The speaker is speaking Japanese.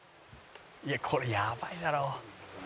「いやこれやばいだろ」